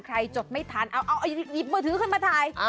จดไม่ทันเอาหยิบมือถือขึ้นมาถ่าย